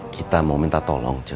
kita mau minta tolong